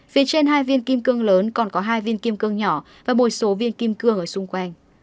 phía trên hai viên kim cương lớn còn có hai viên kim cương nhỏ và một số viên kim cương ở xung quanh